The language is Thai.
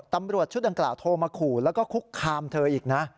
ตำรวจชุดดังกล่าวโทรมาขู่แล้วก็คุกคามเธออีกนะ